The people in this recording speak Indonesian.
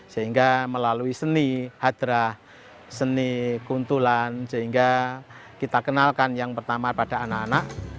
sehingga melalui seni hadrah seni kuntulan sehingga kita kenalkan yang pertama pada anak anak